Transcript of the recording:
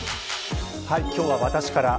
今日は私から。